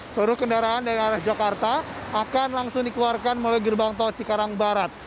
suruh kendaraan dari arah jakarta akan langsung dikeluarkan melalui gerbang tocik karang barat